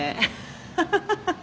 ハハハハハ！